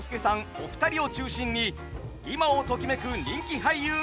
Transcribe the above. お二人を中心に今をときめく人気俳優が勢ぞろい。